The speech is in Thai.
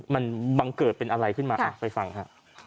มันบังเกิดเป็นอะไรขึ้นมาไปฟังฮะ